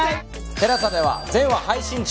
ＴＥＬＡＳＡでは全話配信中。